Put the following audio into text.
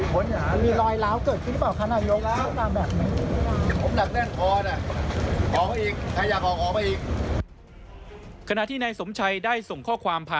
มีลอยเหลาเกิดตัวที่นี้เปราะรายเกิดขนาดนี้